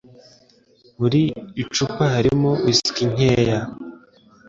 Muri icupa harimo whiski nkeya.